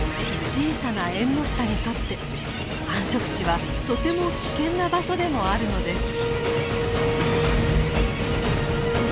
小さなエンノシタにとって繁殖地はとても危険な場所でもあるのです。